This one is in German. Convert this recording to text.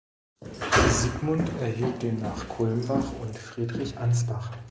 Siegmund erhielt demnach Kulmbach und Friedrich Ansbach.